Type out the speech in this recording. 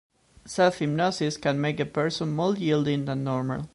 Self-hypnosis can make a person more yielding than normal.